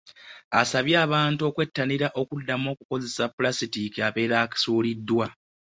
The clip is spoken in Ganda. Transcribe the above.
Asabye abantu okwettanira okuddamu okukozesa ppulasitiiki abeera asuuliddwa